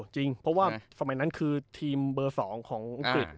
จริงเพราะว่าสมัยนั้นคือทีมเบอร์๒ของอังกฤษ